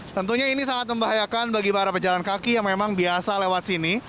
tentunya ini sangat membahayakan bagi para pejalan kaki yang memang biasa lewat sini